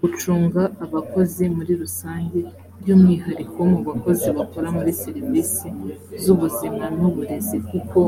gucunga abakozi muri rusange by umwihariko mu bakozi bakora muri serivisi z ubuzima n uburezi kuko